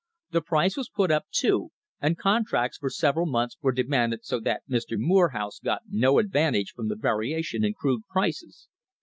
The price was put up too, and contracts for several months were demanded so that Mr. Morehouse got no advantage from the variation in crude prices.